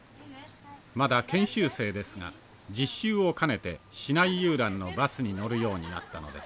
まだ研修生ですが実習を兼ねて市内遊覧のバスに乗るようになったのです。